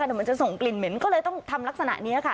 เดี๋ยวมันจะส่งกลิ่นเหม็นก็เลยต้องทำลักษณะนี้ค่ะ